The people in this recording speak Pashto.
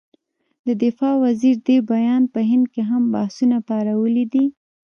د دفاع وزیر دې بیان په هند کې هم بحثونه پارولي دي.